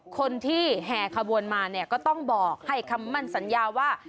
คนที่แห่ขบวนมาเนี่ยก็ต้องบอกให้คำมั่นสัญญาว่า